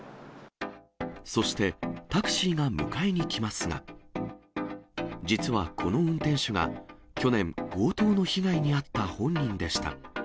そして、タクシーが迎えに来ますが、実はこの運転手が、去年、強盗の被害に遭った本人でした。